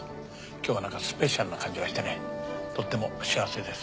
今日はなんかスペシャルな感じがしてねとっても幸せです。